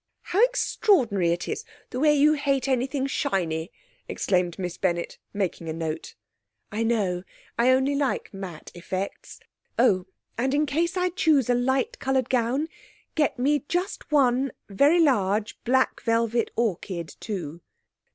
'How extraordinary it is the way you hate anything shiny!' exclaimed Miss Bennett, making a note. 'I know; I only like mat effects. Oh, and in case I choose a light coloured gown, get me just one very large black velvet orchid, too.'